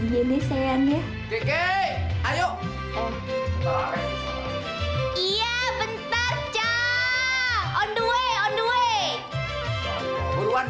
pengen ditemani para wehan